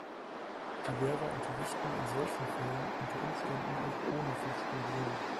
Die Lehrer unterrichten in solchen Fällen unter Umständen auch ohne Fachstudium.